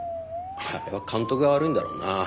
あれは監督が悪いんだろうなあ。